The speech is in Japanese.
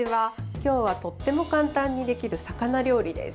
今日は、とっても簡単にできる魚料理です。